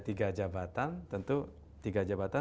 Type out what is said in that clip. tiga jabatan tentu tiga jabatan